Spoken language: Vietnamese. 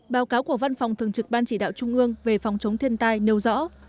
báo cáo của văn phòng thường trực ban chỉ đạo trung ương về phòng chống thiên tai nêu rõ